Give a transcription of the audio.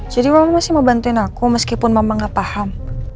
jadi mama masih mau bantuin aku meskipun mama gak paham